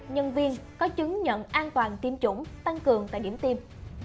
nhân viên có chứng nhận an toàn tiêm chủng tăng cường tại điểm tiêm